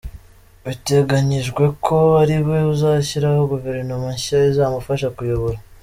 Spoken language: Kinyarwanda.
Biteganyijwe ko ari we uzashyiraho guverinoma nshya izamufasha kuyobora.